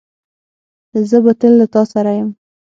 زه به تل له تاسره یم